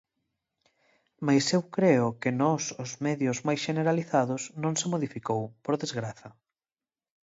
Mais eu creo que nos os medios máis xeneralizados non se modificou, por desgraza.